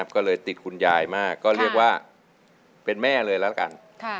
ก็เลยติดคุณยายมากก็เรียกว่าเป็นแม่เลยแล้วละกัน